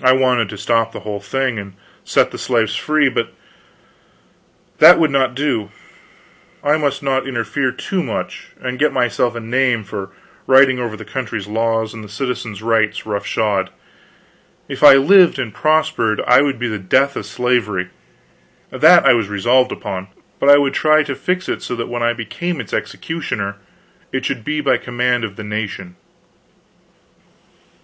I wanted to stop the whole thing and set the slaves free, but that would not do. I must not interfere too much and get myself a name for riding over the country's laws and the citizen's rights roughshod. If I lived and prospered I would be the death of slavery, that I was resolved upon; but I would try to fix it so that when I became its executioner it should be by command of the nation.